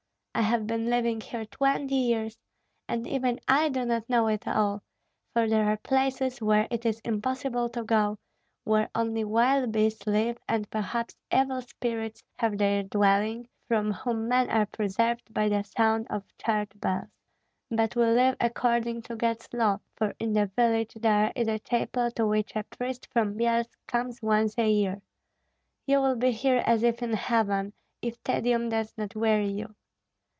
I have been living here twenty years, and even I do not know it all, for there are places where it is impossible to go, where only wild beasts live and perhaps evil spirits have their dwelling, from whom men are preserved by the sound of church bells. But we live according to God's law, for in the village there is a chapel to which a priest from Byelsk comes once a year. You will be here as if in heaven, if tedium does not weary you.